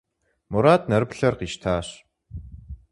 Мурат нэрыплъэр къищтащ.